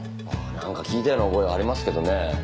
なんか聞いたような覚えはありますけどね。